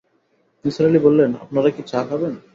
নিসার আলি বললেন, আপনারা কি চা খাবেন?